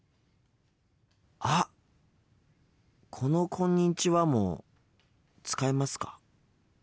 あっこの「こんにちは」も使いますか？